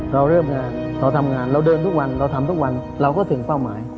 เราเริ่มงานเราทำงานเราเดินทุกวันเราทำทุกวันเราก็ถึงเป้าหมาย